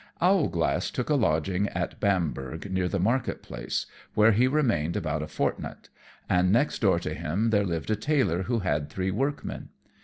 _ Owlglass took a lodging at Bamberg, near to the market place, where he remained about a fortnight, and next door to him there lived a tailor who had three workmen.